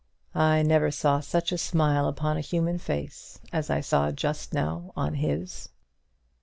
I never saw such a smile upon a human face as I saw just now on his."